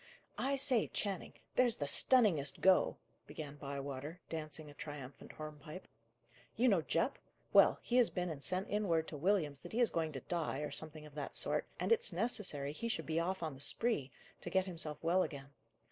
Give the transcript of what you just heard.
"I say, Channing, there's the stunningest go!" began Bywater, dancing a triumphant hornpipe. "You know Jupp? Well, he has been and sent in word to Williams that he is going to die, or something of that sort, and it's necessary he should be off on the spree, to get himself well again.